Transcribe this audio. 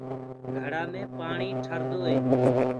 گھڙآ مي پآڻي ٺردو هي۔